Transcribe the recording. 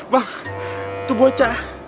bang tuh bocah